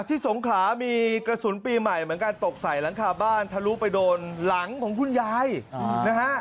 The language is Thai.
สงขลามีกระสุนปีใหม่เหมือนกันตกใส่หลังคาบ้านทะลุไปโดนหลังของคุณยายนะฮะ